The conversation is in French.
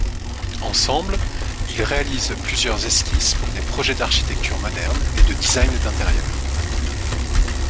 Ensemble, ils réalisent plusieurs esquisses pour des projets d'architecture moderne et de design d'intérieur.